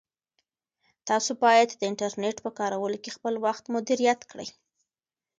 تاسو باید د انټرنیټ په کارولو کې خپل وخت مدیریت کړئ.